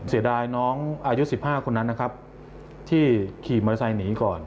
เสียดายน้องอายุ๑๕คนนั้นนะครับที่ขี่มอเตอร์ไซค์หนีก่อน